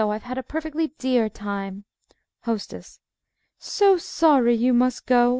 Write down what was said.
I've had a perfectly dear time. HOSTESS So sorry you must go.